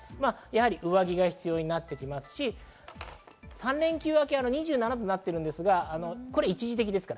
やはり上着が必要になってきますし、３連休明け、２７度になってるんですが、一時的です。